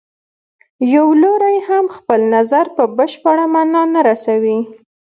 یو لوری هم خپل نظر په بشپړه معنا نه رسوي.